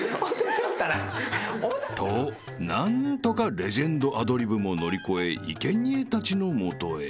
［と何とかレジェンドアドリブも乗り越え生贄たちの元へ］